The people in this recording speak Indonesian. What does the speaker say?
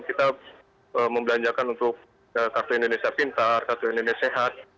kita membelanjakan untuk kartu indonesia pintar kartu indonesia sehat